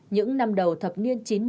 những năm đầu thập niên chín mươi